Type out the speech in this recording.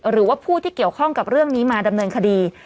หรือว่าผู้ที่เกี่ยวข้องกับเรื่องนี้มาดำเนินคดี